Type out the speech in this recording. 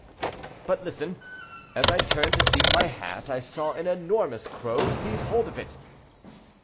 "But listen; as I turned to seek my hat I saw an enormous crow seize hold of it."